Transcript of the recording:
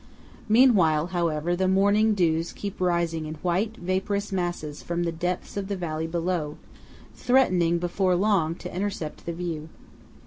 Meanwhile, however, the morning dews keep rising in white vaporous masses from the depths of the valley below, threatening before long to intercept the view.